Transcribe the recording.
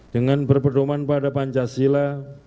dengan berpedoman pada pancasila